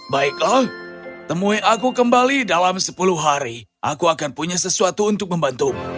baiklah temui aku kembali dalam sepuluh hari aku akan punya sesuatu untuk membantumu